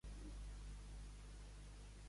Units som més forts, és el missatge final.